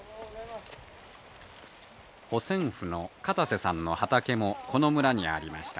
保線夫の片瀬さんの畑もこの村にありました。